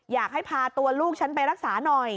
อยากให้พาตัวลูกฉันไปรักษาหน่อย